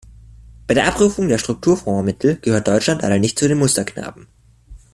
Bei der Abrufung der Strukturfondsmittel gehört Deutschland leider nicht zu den Musterknaben.